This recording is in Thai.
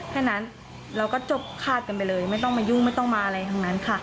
แค่นั้นเราก็จบคาดกันไปเลยไม่ต้องมายุ่งไม่ต้องมาอะไรทั้งนั้นค่ะ